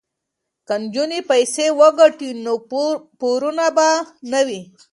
که نجونې پیسې وګټي نو پورونه به نه وي.